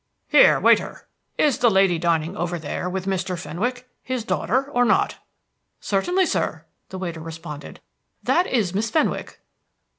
Here, waiter, is the lady dining over there with Mr. Fenwick his daughter or not?" "Certainly, sir," the waiter responded. "That is Miss Fenwick."